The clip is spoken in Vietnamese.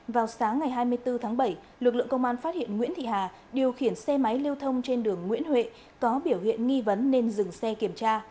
vào sáng ngày hai mươi bốn tháng bảy lực lượng công an phát hiện nguyễn thị hà điều khiển xe máy lưu thông trên đường nguyễn huệ có biểu hiện nghi vấn nên dừng xe kiểm tra